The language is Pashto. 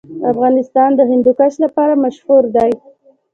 افغانستان د هندوکش لپاره مشهور دی.